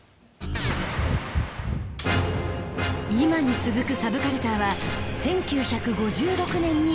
今に続くサブカルチャーは１９５６年に始まる。